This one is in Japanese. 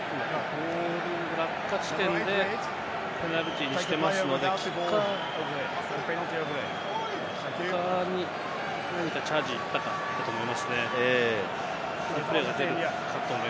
ボールの落下地点でペナルティーにしていますので、キッカーに何かチャージに行ったのかなと思いますね。